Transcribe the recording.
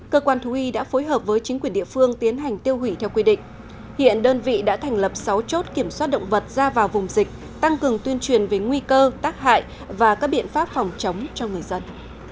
cơ quan thú y đã phối hợp với chính quyền địa phương tiến hành tiêu hủy theo quy định hiện đơn vị đã thành lập sáu chốt kiểm soát động vật ra vào vùng dịch tăng cường tuyên truyền về nguy cơ tác hại và các biện pháp phòng chống cho người dân